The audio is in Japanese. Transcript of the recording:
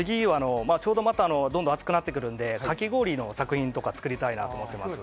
どんどん暑くなってくるので、かき氷の作品とか作りたいなと思ってます。